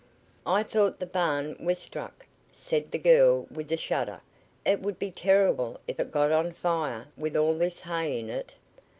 "I thought the barn was struck," said the girl with a shudder. "It would be terrible if it got on fire, with all this hay in it."